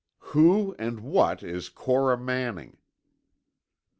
"Who and what is Cora Manning?"